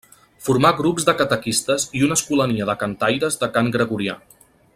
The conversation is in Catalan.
Formà grups de catequistes i una escolania de cantaires de cant gregorià.